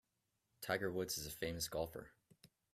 Tiger Woods is a famous golfer.